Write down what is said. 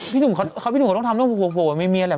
พี่หนุ่มเขาต้องทำเรื่องพูดโหแบบเมียแหละ